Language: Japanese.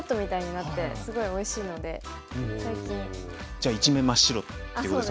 じゃあ一面真っ白っていうこと。